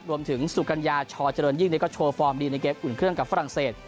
สุกัญญาชอเจริญยิ่งก็โชว์ฟอร์มดีในเกมอุ่นเครื่องกับฝรั่งเศส